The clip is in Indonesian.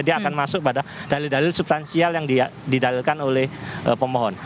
dia akan masuk pada dalil dalil substansial yang didalilkan oleh pemohon